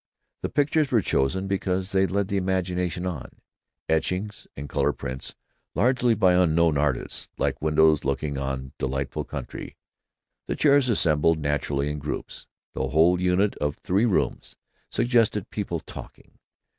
The pictures were chosen because they led the imagination on—etchings and color prints, largely by unknown artists, like windows looking on delightful country. The chairs assembled naturally in groups. The whole unit of three rooms suggested people talking....